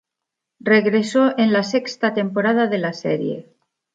Regresó en la sexta temporada de la serie.